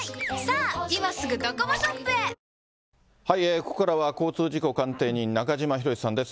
ここからは交通事故鑑定人、中島博史さんです。